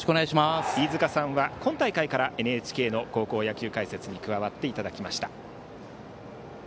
飯塚さんは今大会からＮＨＫの高校野球解説に加わっていただきました。